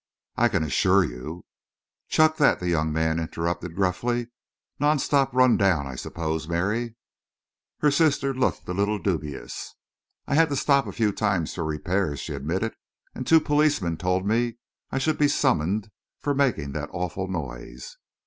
"I can assure you " "Chuck that," the young man interrupted gruffly. "Non stop run down, I suppose, Mary?" His sister looked a little dubious. "I had to stop a few times for repairs," she admitted, "and two policemen told me I should be summoned for making that awful noise."